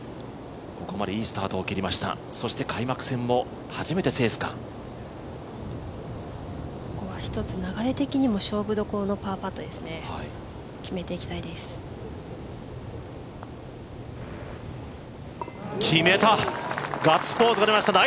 ここまでいいスタートを切りました、そして開幕戦も流れ的にも勝負所のパーパットです決めていきたいです。